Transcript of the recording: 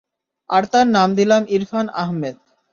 আর তার নাম দিলাম ইরফান আহমেদ।